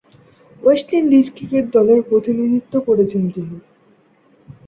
West Indies cricket দলের প্রতিনিধিত্ব করছেন তিনি।